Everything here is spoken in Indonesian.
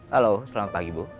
halo selamat pagi bu